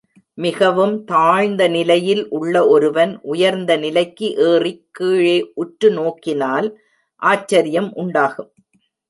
மிகவும் தாழ்ந்த நிலையில் உள்ள ஒருவன் உயர்ந்த நிலைக்கு ஏறிக் கீழே உற்று நோக்கினால் ஆச்சரியம் உண்டாகும்.